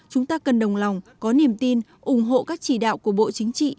chúng ta cần đồng lòng có niềm tin ủng hộ các chỉ đạo của bộ chính trị